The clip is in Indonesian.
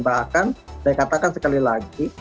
bahkan saya katakan sekali lagi